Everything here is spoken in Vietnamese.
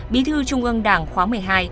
bi thư trung ương đảng khóa một mươi hai